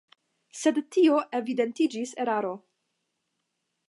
Sed tio evidentiĝis eraro.